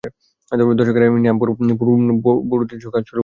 দর্শকের রায় নিয়েই আমি পরবর্তী পূর্ণদৈর্ঘ্য ছবির কাজ শুরু করতে চাই।